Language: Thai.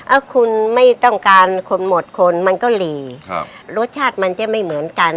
อ่ะคุณไม่ต้องการคนหมดคนมันก็หลีครับรสชาติมันจะไม่เหมือนกัน